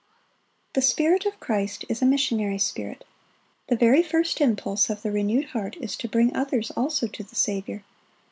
The spirit of Christ is a missionary spirit. The very first impulse of the renewed heart is to bring others also to the Saviour.